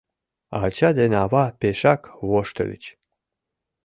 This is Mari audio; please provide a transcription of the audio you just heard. Ача ден ава пешак воштыльыч.